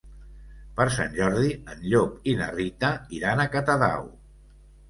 Per Sant Jordi en Llop i na Rita iran a Catadau.